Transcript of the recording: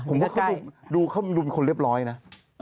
ผมว่าเขาดูเขาดูเป็นคนเรียบร้อยนะ